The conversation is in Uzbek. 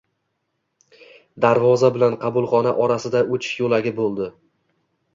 Darvoza bilan qabulxona orasida o‘tish yo‘lagi bo‘ldi.